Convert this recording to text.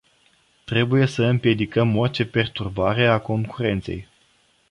Trebuie să împiedicăm orice perturbare a concurenței.